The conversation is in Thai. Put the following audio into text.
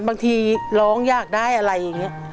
บางทีร้องอยากได้อะไรอย่างนี้